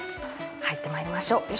入ってまいりましょう。